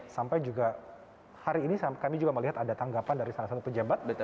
sampai juga hari ini kami juga melihat ada tanggapan dari salah satu pejabat